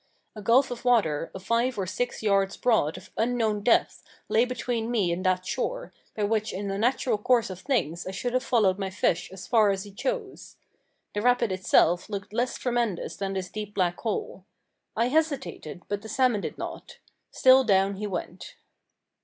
A gulf of water of five or six yards broad of unknown depth lay between me and that shore, by which in the natural course of things I should have followed my fish as far as he chose. The rapid itself looked less tremendous than this deep black hole. I hesitated, but the salmon did not. Still down he went.